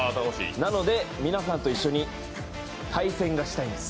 なので、皆さんと一緒に対戦がしたいんです。